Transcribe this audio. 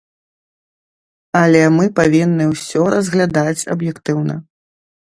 Але мы павінны ўсё разглядаць аб'ектыўна.